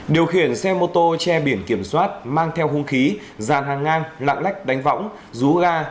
điều khiển xe mô tô che biển kiểm soát mang theo hung khí giàn hàng ngang lạng lách đánh võng rú ga